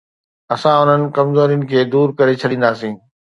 اسان انهن ڪمزورين کي دور ڪري ڇڏينداسين.